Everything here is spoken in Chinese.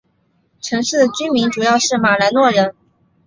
城市的居民主要是马来诺人。